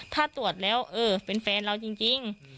ถ้าตรวจแล้วเออเป็นแฟนเราจริง